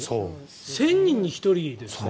１０００人に１人ですよ。